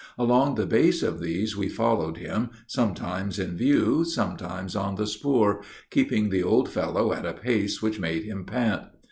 Along the base of these we followed him, sometimes in view, sometimes on the spoor, keeping the old fellow at a pace which made him pant.